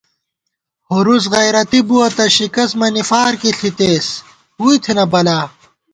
ہُرُوس غیرَتی بُوَہ تہ شِکَست مَنی فارکی ݪِتېس ووئی تھنہ بلا